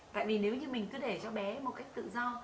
tại vì nếu như mình cứ để cho bé một cách tự do